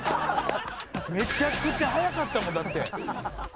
めちゃくちゃ速かったもんだって。